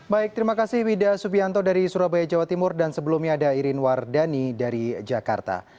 baik terima kasih wida subianto dari surabaya jawa timur dan sebelumnya ada irin wardani dari jakarta